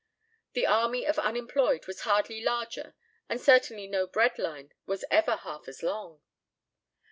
The army of unemployed was hardly larger and certainly no bread line was ever half as long.